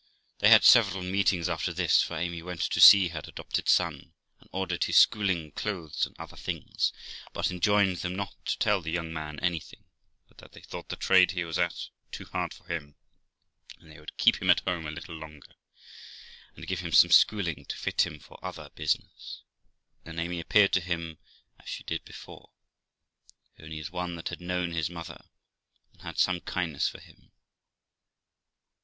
They had several meetings after this, for THE LIFE OF ROXANA 309 Amy went to see her adopted son, and ordered his schooling, clothes, and other things, but enjoined them not to tell the young man anything, but that they thought the trade he was at too hard for him, and they would keep him at home a little longer, and give him some schooling to fit him for other business; and Amy appeared to him as she did before, only as one that had known his mother and had some kindness for him.